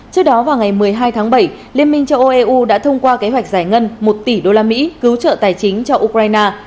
trước đó vào ngày một mươi hai tháng bảy liên minh châu âu eu đã thông qua kế hoạch giải ngân một tỷ đô la mỹ cứu trợ tài chính cho ukraine